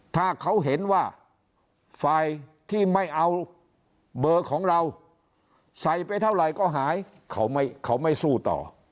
ถ้าเขาเห็นว่าฝ่ายที่ไม่เอาเบอร์ของเราใส่ไปเท่าไหร่ก็หายเขาไม่สู้ต่อ